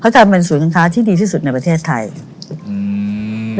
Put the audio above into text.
แล้วจะเป็นสูตรการค้าที่ดีที่สุดในประเทศไทย